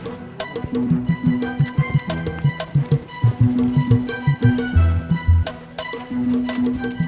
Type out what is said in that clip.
masak masak lebaran ya